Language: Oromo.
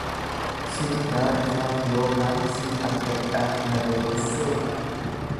Situ naa dhufaaf ykn sin argadhaaf na beelessee.